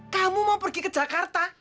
kamu mau pergi ke jakarta